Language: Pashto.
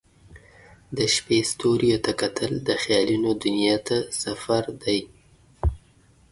د شپې ستوریو ته کتل د خیالونو دنیا ته سفر دی.